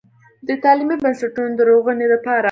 د تعليمي بنسټونو د رغونې دپاره